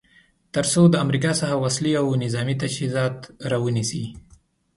تر څو د امریکا څخه وسلې او نظامې تجهیزات را ونیسي.